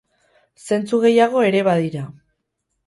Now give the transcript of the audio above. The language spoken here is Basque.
Zentzu gehiago ere badira.